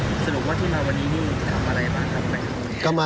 สรุปว่าทุกนายวันนี้นี่ถามอะไรมาครับ